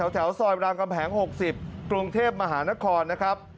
แถวซอยรามกำแหง๖๐กรุงเทพมหานครนะครับ